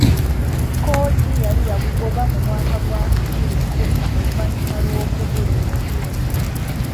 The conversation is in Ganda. Kkooti yali yagugoba mu mwaka gwa bbiri kkumi oluvannyuma lw'okubulwa obujulizi.